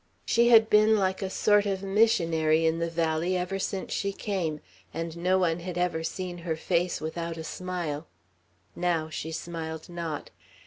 She had been like a sort of missionary in the valley ever since she came, and no one had ever seen her face without a smile. Now she smiled not.